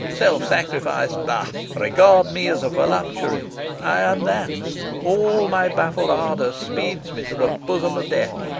Self sacrifice bah! Regard me as a voluptuary. I am that. All my baffled ardour speeds me to the bosom of Death.